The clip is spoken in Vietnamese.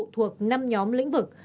thuộc năm nhóm lĩnh vực